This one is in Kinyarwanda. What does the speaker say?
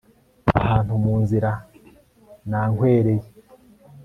ahantu munzira nankwereye